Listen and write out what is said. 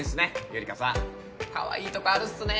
ゆりかさんかわいいとこあるっすね